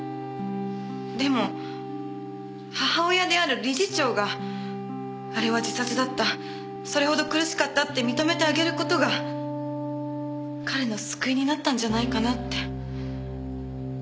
でも母親である理事長があれは自殺だったそれほど苦しかったって認めてあげる事が彼の救いになったんじゃないかなって。